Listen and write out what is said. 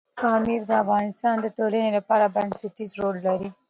پامیر د افغانستان د ټولنې لپاره بنسټيز رول لري.